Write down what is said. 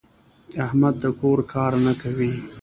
احمد د کور کار نه کوي.